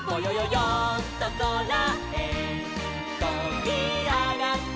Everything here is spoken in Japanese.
よんとそらへとびあがってみよう」